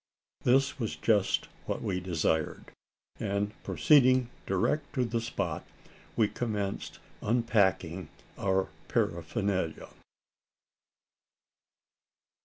This was just what we desired; and, proceeding direct to the spot, we commenced unpacking our paraphernalia.